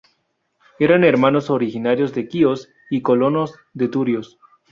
Eran hermanos originarios de Quíos, y colonos de Turios.